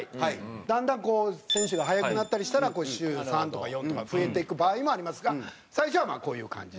だんだんこう選手が速くなったりしたら週３とか４とか増えていく場合もありますが最初はこういう感じで。